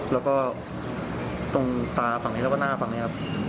แล้วก็ตรงตาฝั่งนี้แล้วก็หน้าฝั่งนี้ครับ